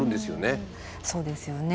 そうですよね。